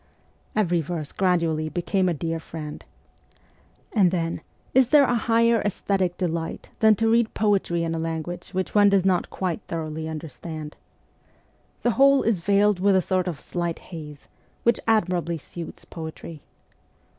Every verse gradually became a dear friend. And then, is there a higher aesthetic de light than to read poetry in a language which one does not quite thoroughly understand ? The whole is veiled with a sort of slight haze, which admirably suits poetry.